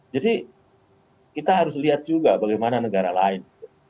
jadi kita harus lihat juga bagaimana negara lain